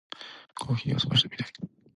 コーヒーを少し飲みたい。